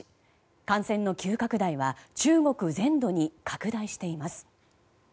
感染の急拡大は中国全土に拡大しています。